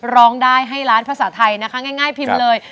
ร้องได้ให้ล้านภาษาไทยนะคะง่ายพิมพ์เลย